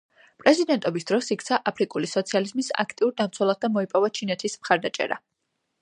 პრეზიდენტობის დროს იქცა აფრიკული სოციალიზმის აქტიურ დამცველად და მოიპოვა ჩინეთის მხარდაჭერა.